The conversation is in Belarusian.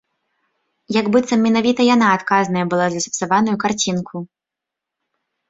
Як быццам менавіта яна адказная была за сапсаваную карцінку.